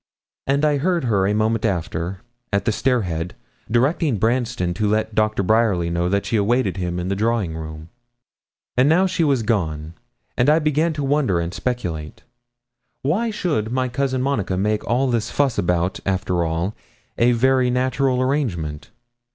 And I heard her a moment after, at the stair head, directing Branston to let Dr. Bryerly know that she awaited him in the drawing room. And now she was gone, and I began to wonder and speculate. Why should my cousin Monica make all this fuss about, after all, a very natural arrangement?